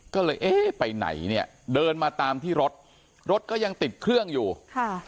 ก็เลยเอ๊ะไปไหนเนี่ยเดินมาตามที่รถรถก็ยังติดเครื่องอยู่ค่ะ